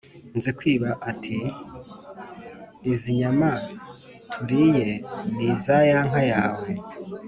Nzikwiba ati: "Izi nyama turiye ni iza ya nka yawe